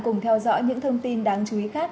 cùng theo dõi những thông tin đáng chú ý khác